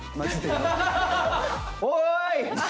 おい！